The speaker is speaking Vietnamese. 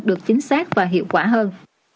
được chính xác và hiệu quả hơn